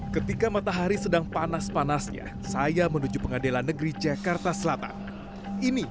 ketika matahari sedang panas panasnya saya menuju pengadilan negeri jakarta selatan ini